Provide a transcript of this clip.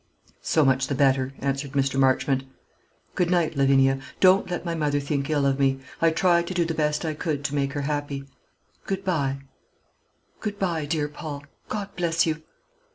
"So much the better," answered Mr. Marchmont. "Good night, Lavinia. Don't let my mother think ill of me. I tried to do the best I could to make her happy. Good bye." "Good bye, dear Paul; God bless you!"